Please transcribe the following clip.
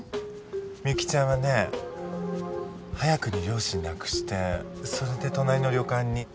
美由紀ちゃんはね早くに両親亡くしてそれで隣の旅館に養子に来たの。